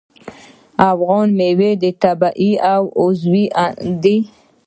افغاني میوې طبیعي او عضوي دي.